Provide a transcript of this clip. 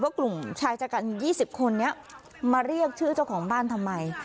กลุ่มชายชะกัน๒๐คนนี้มาเรียกชื่อเจ้าของบ้านทำไม